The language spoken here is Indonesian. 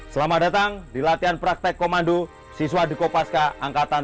selamat datang di latihan praktek komando siswa dukopaska angkatan tiga puluh sembilan